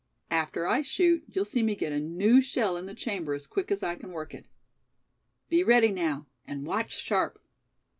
After I shoot you'll see me get a new shell in the chamber as quick as I can work it. Be ready, now; and watch sharp!"